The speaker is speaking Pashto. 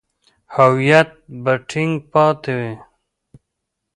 هویت به ټینګ پاتې وي.